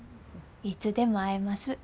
いつでも会えます。